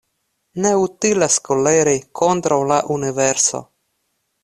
Ne utilas koleri kontraŭ la universo